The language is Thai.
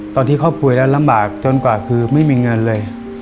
ตอนที่เขาป่วยแล้วลำบากจนกว่าคือไม่มีเงินเลย